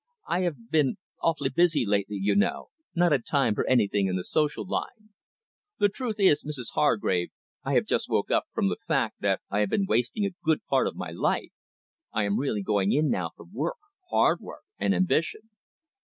"I have been awfully busy lately, you know, not had time for anything in the social line. The truth is, Mrs Hargrave, I have just woke up to the fact that I have been wasting a good part of my life. I am really going in now for work, hard work, and ambition."